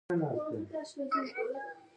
د زړه ضربان د احساساتو سره بدلون مومي.